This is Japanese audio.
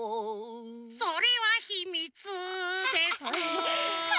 それはひみつですえ！